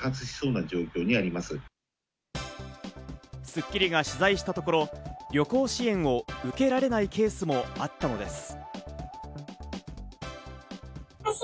『スッキリ』が取材したところ、旅行支援を受けられないケースもあったのです。